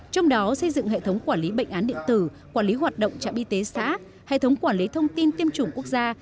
trong đó xây dựng hệ thống quản lý bệnh án điện tử quản lý hoạt động trạm y tế xã hệ thống quản lý thông tin tiêm chủng quốc gia